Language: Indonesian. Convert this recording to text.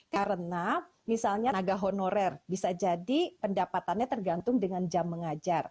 karena misalnya naga honorer bisa jadi pendapatannya tergantung dengan jam mengajar